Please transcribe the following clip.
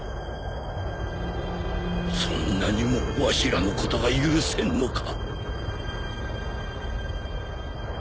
そんなにもわしらのことが許せんのか？